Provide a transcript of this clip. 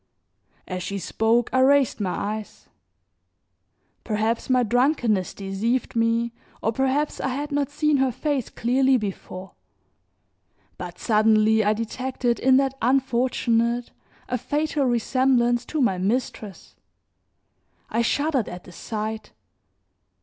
As she spoke I raised my eyes. Perhaps my drunkenness deceived me, or perhaps I had not seen her face clearly before, but suddenly I detected in that unfortunate a fatal resemblance to my mistress. I shuddered at the sight.